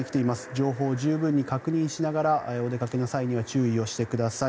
情報を十分に確認しながらお出かけの際には注意をしてください。